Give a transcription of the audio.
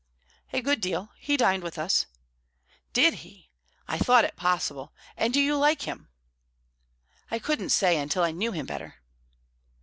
"A good deal. He dined with us." "Did he? I thought it possible. And do you like him?" "I couldn't say until I knew him better."